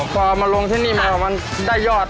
พอมาลงที่นี่มามันได้ยอด